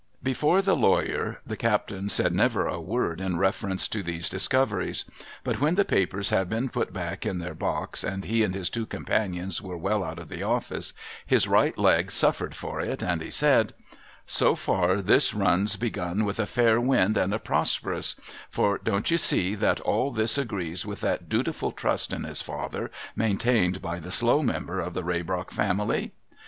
Before the lawyer the captain said never a word in ] eference to these discoveries. But when the papers had been put back in their box, and he and his two companions were well out of the office, his right leg suffered for it, and he said, —•' So far this run's begun with a fair wind and a prosperous ; for don't you see that all this agrees with that dutiful trust in his father maintained by the slow member of the Raybrock family